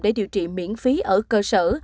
để điều trị miễn phí ở cơ sở